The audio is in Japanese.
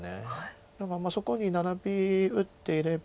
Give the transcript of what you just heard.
そこにナラビ打っていれば。